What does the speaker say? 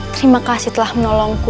terima kasih telah menolongku